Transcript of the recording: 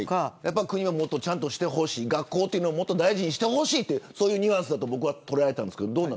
国がちゃんとしてほしい学校を大事にしてほしいというニュアンスと捉えました。